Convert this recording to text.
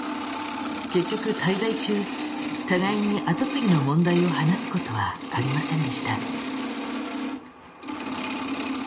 結局滞在中互いに後継ぎの問題を話すことはありませんでした。